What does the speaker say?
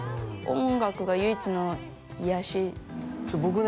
音楽が唯一の癒やし僕ね